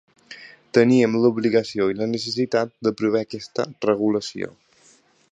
Teníem l’obligació i la necessitat d’aprovar aquesta regulació.